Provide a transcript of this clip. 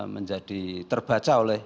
menjadi terbaca oleh